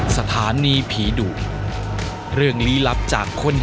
สวัสดีค่ะ